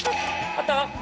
あった！